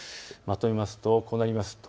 まとめますと、こうなります。